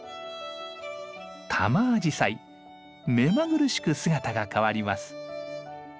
タマアジサイ目まぐるしく姿が変わります。